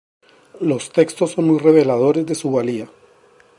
Los textos son muy reveladores de su valía.